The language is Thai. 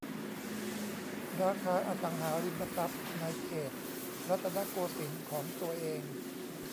ราคาอสังหาริมทรัพย์ในเขตรัตนโกสินทร์ของตัวเอง